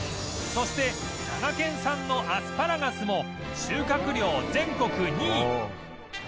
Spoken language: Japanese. そして佐賀県産のアスパラガスも収穫量全国２位